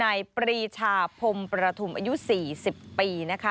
ในปรีชาพมประธุมอายุ๔๐ปี